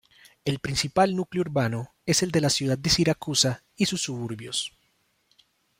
El principal núcleo urbano es el de la ciudad de Siracusa y sus suburbios.